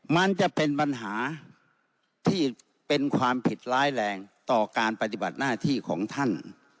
มันจะเป็นปัญหาที่เป็นความผิดร้ายแรงต่อการปฏิบัติหน้าที่ของท่าน